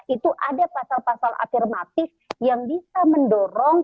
itu ada pasal pasal afirmatif yang bisa mendorong